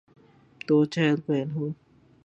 تو چہل پہل ہو۔